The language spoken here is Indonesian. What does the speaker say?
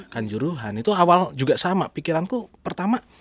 kanjuruhan itu awal juga sama pikiranku pertama